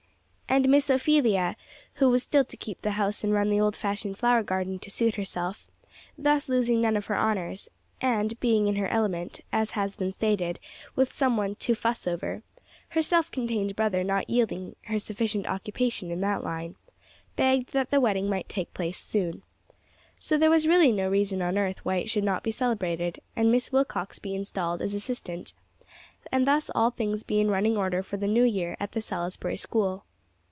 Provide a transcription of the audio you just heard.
And Miss Ophelia, who was still to keep the house and run the old fashioned flower garden to suit herself thus losing none of her honors and being in her element, as has been stated, with some one "to fuss over" (her self contained brother not yielding her sufficient occupation in that line), begged that the wedding might take place soon. So there was really no reason on earth why it should not be celebrated, and Miss Wilcox be installed as assistant, and thus all things be in running order for the new year at the Salisbury School.